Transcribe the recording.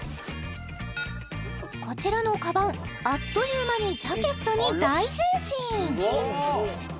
こちらのカバンあっという間にジャケットに大変身！